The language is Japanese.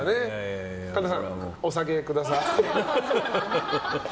神田さん、お下げください。